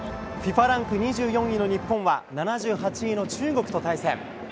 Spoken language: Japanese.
ＦＩＦＡランク２４位の日本は７８位の中国と対戦。